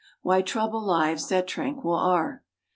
Why trouble lives that tranquil are?